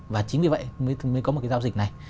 và chính vì vậy mới có một cái giao dịch này